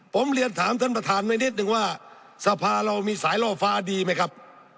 ผมเรียนถามท่านประธานไว้นิดนึงว่าสภาเรามีสายล่อฟ้าดีไหมครับ